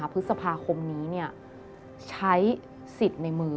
พฤษภาคมนี้ใช้สิทธิ์ในมือ